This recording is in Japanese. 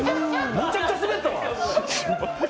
めちゃくちゃスベったわ。